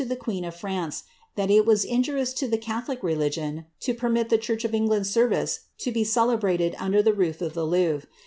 151 « le queen of France, that it was injurioui to the catholic religion to ermit the church of England service to be celebrated under the roof of le Louvre.